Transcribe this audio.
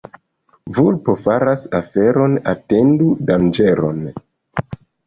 Vulpo faras oferon — atendu danĝeron.